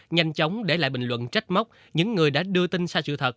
nhanh chóng để lại bình luận trách mốc những người đã đưa tin sai sự thật